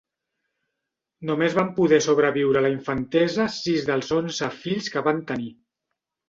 Només van poder sobreviure a la infantesa sis dels onze fills que van tenir.